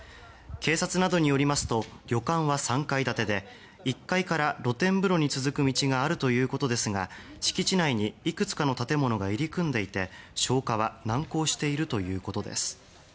警察などによりますと旅館は３階建てで１階から露天風呂に続く道があるということですが敷地内にいくつかの建物が入り組んでいて消火は難航しているということです。